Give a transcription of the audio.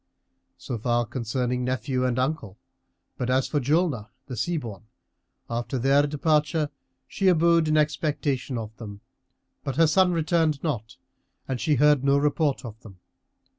So far concerning nephew and uncle, but as for Julnar the Sea born, after their departure she abode in expectation of them, but her son returned not and she heard no report of him.